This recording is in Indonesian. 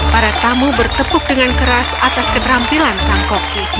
para tamu bertepuk dengan keras atas keterampilan sang koki